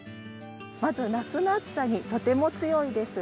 まず夏の暑さにとても強いです。